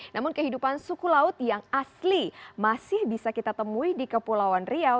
namun kehidupan suku laut yang asli masih bisa kita temui di kepulauan riau